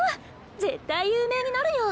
絶対有名になるよ。